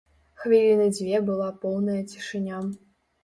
Хвіліны дзве была поўная цішыня.